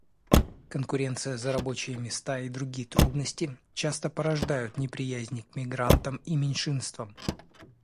Конкуренция за рабочие места и другие трудности часто порождают неприязнь к мигрантам и меньшинствам.